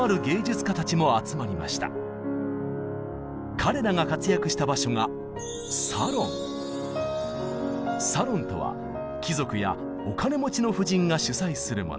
彼らが活躍した場所が「サロン」とは貴族やお金持ちの婦人が主宰するもの。